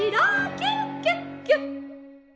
キュキュッキュッ！」。